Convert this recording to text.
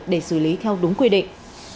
để xử lý theo đúng quy định